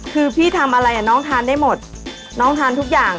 คือพี่ทำอะไรน้องทานได้หมดน้องทานทุกอย่าง